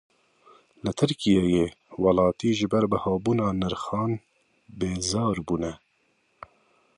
Li Tirkiyeyê welatî ji ber bihabûna nirxan bêzar bûne.